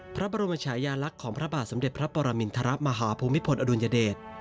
พระบรมชายาลักษณ์ของพระบาทสมเด็จพระปรมินทรมาฮภูมิพลอดุลยเดช